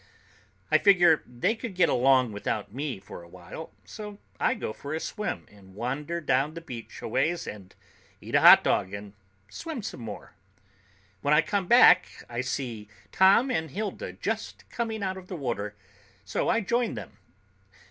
I figure they could get along without me for a while, so I go for a swim and wander down the beach a ways and eat a hot dog and swim some more. When I come back, I see Tom and Hilda just coming out of the water, so I join them.